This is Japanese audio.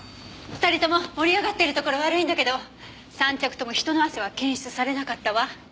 ２人とも盛り上がってるところ悪いんだけど３着とも人の汗は検出されなかったわ。